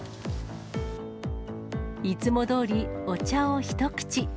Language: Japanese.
いつもどおり、お茶を一口。